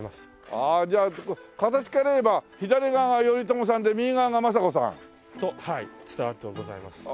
ああじゃあ形から言えば左側が頼朝さんで右側が政子さん？と伝わってはございます。